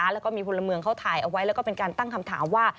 แล้วก็มีพลเมืองเขาถ่ายเอาไว้แล้วก็เป็นการตั้งคำถามว่า